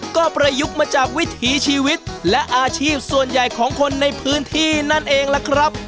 ก็ประยุกต์มาจากวิถีชีวิตและอาชีพส่วนใหญ่ของคนในพื้นที่นั่นเองล่ะครับ